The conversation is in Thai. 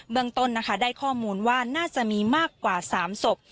เมืองต้นนะคะได้ข้อมูลว่าน่าจะมีมากกว่า๓ศพ